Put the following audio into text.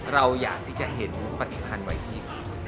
เราอยากที่จะเห็นปฏิพันธ์ไว้ที่